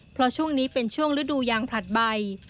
เพราะช่วงนี้เป็นช่วงฤดูยางผลัดใบ